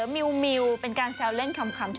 มิวมิวเป็นการแซวเล่นคำช่อย